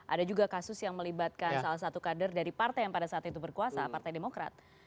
ada juga kasus yang melibatkan salah satu kader dari partai yang pada saat itu berkuasa partai demokrat